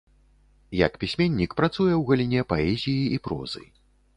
Як пісьменнік працуе ў галіне паэзіі і прозы.